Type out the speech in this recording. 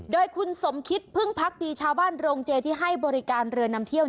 โดยคุณสมคิดพึ่งพักดีชาวบ้านโรงเจที่ให้บริการเรือนำเที่ยว